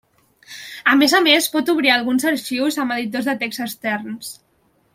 A més a més, pot obrir alguns arxius amb editors de text externs.